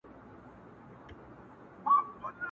o کوچنى چي و نه ژاړي، مور ئې شيدې نه ورکوي!